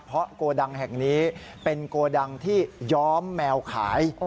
เพราะโกดังแห่งนี้เป็นโกดังที่ย้อมแมวขาย